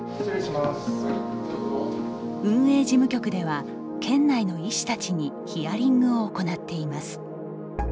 運営事務局では県内の医師たちにヒアリングを行っています。